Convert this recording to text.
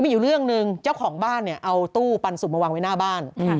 มีอยู่เรื่องหนึ่งเจ้าของบ้านเนี่ยเอาตู้ปันสุกมาวางไว้หน้าบ้าน